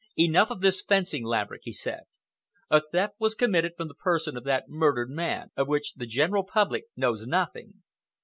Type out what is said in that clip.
"Enough of this fencing, Laverick," he said. "A theft was committed from the person of that murdered man, of which the general public knows nothing.